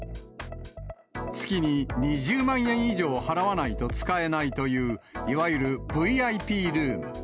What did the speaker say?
月に２０万円以上払わないと使えないといういわゆるＶＩＰルーム。